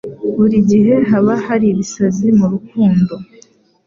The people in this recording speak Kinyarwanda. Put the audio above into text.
Buri gihe haba hari ibisazi mu rukundo